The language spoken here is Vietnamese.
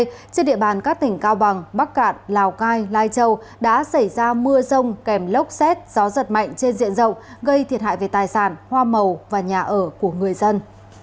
trên địa bàn các tỉnh cao bằng bắc cạn lào cai lai châu đã xảy ra mưa rông kèm lốc xét gió giật mạnh trên diện rộng gây thiệt hại về tài sản hoa màu và nhà ở của người dân